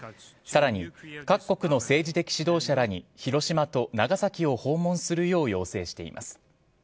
さらに、各国の政治的指導者らに広島と長崎を訪問するよう要請しています。